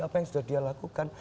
apa yang sudah dia lakukan